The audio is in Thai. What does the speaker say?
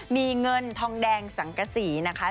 มีเงินทองแดงสังกษีนะคะ